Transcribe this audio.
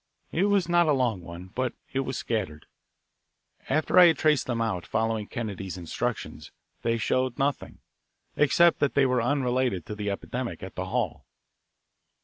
It was not a long one, but it was scattered. After I had traced them out, following Kennedy's instructions, they showed nothing, except that they were unrelated to the epidemic at the hall.